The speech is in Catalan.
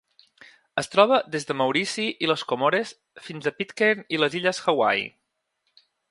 Es troba des de Maurici i les Comores fins a Pitcairn i les illes Hawaii.